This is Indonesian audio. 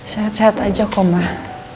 sehat sehat aja komah